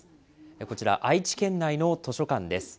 こちら、愛知県内の図書館です。